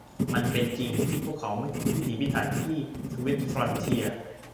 มันเป็นจริงที่พวกเขาไม่พิถีพิถันที่สวิส ฟรอนเทียร์